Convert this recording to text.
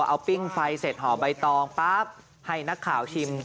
เอาปิ้งไฟเสร็จห่อใบตองปั๊บให้นักข่าวชิม